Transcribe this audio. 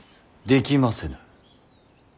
できませぬ。